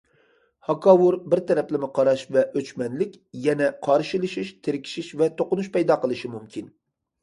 ھاكاۋۇر، بىر تەرەپلىمە قاراش ۋە ئۆچمەنلىك يەنە قارشىلىشىش، تىركىشىش ۋە توقۇنۇش پەيدا قىلىشى مۇمكىن.